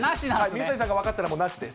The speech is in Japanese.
水谷さんが分かったら、なし？